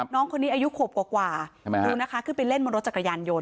น้องคนนี้อายุขวบกว่าดูนะคะขึ้นไปเล่นบนรถจักรยานยนต